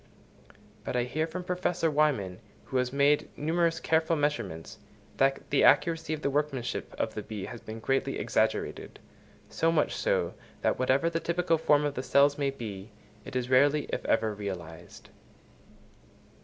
But I hear from Professor Wyman, who has made numerous careful measurements, that the accuracy of the workmanship of the bee has been greatly exaggerated; so much so, that whatever the typical form of the cell may be, it is rarely, if ever, realised.